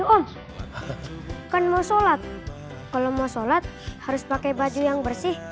ini sakit periuk nih